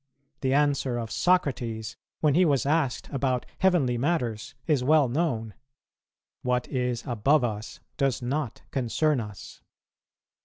The answer of Socrates, when he was asked about heavenly matters, is well known, 'What is above us does not concern us.'